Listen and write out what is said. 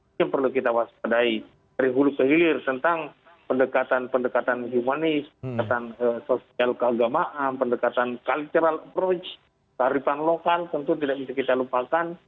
ini yang perlu kita waspadai dari hulu ke hilir tentang pendekatan pendekatan humanis pendekatan sosial keagamaan pendekatan cultural approach kearifan lokal tentu tidak bisa kita lupakan